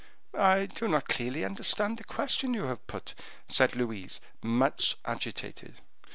"I do not clearly understand the question you have put," said Louise, much agitated.